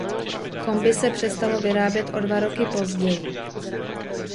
Kombi se přestalo vyrábět o dva roky později.